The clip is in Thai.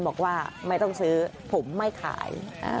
บอกว่าไม่ต้องซื้อผมไม่ขาย